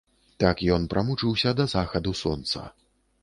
Так ён прамучыўся да захаду сонца.